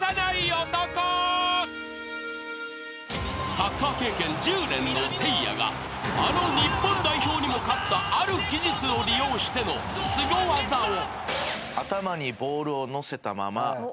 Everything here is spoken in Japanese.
［サッカー経験１０年のせいやがあの日本代表にも勝ったある技術を利用してのすご技を］